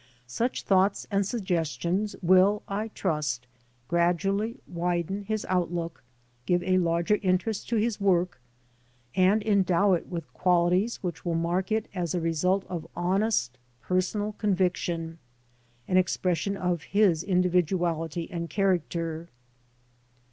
Such thoughts and suggestions will, I trust, gradually widen his outlook, give a larger interest to his work, and endow it with qualities which will mark it as a result of honest personal conviction — ^an expression of his individuality and character.